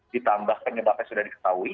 ditambah penyebab yang sudah diketahui